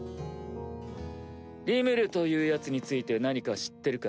リムルというヤツについて何か知ってるか？